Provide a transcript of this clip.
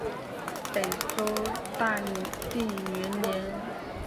北周大定元年。